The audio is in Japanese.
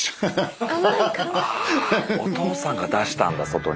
あお父さんが出したんだ外に。